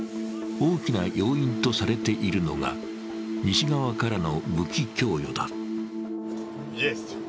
大きな要因とされているのが西側からの武器供与だ。